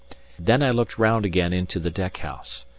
Then I looked round again into the deck house.